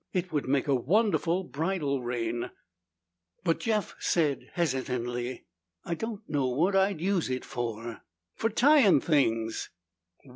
It would make a wonderful bridle rein, but Jeff said hesitantly, "I don't know what I'd use it for." "Fer tyin' things."